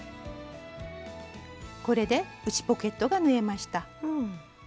これで内ポケットが縫えました。